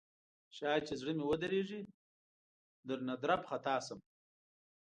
شاید چې زړه مې ودریږي درنه درب خطا شم